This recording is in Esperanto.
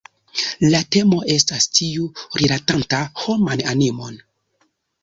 La temo estas tiu rilatanta homan animon.